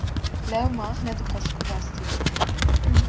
Lewma nedixwest ku rastî wê bê.